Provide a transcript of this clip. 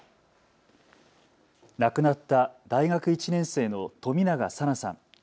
亡くなった大学１年生の冨永紗菜さん。